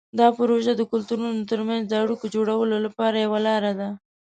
دا پروژه د کلتورونو ترمنځ د اړیکو جوړولو لپاره یوه لاره ده.